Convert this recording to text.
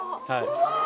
うわ！